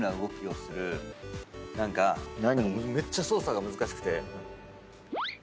何かめっちゃ操作が難しくて。